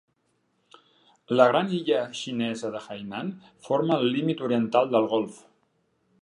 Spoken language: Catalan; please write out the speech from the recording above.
La gran illa xinesa de Hainan forma el límit oriental del golf.